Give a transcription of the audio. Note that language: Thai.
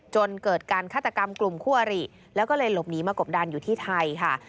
จนเกิดการฆาตกรรมกลุ่มคู่อริแล้วก็เลยหลบหนีมากบดันอยู่ที่ไทยค่ะ